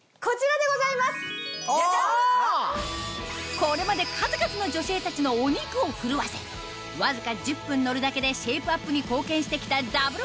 これまで数々の女性たちのお肉を震わせわずか１０分乗るだけでシェイプアップに貢献して来たダブル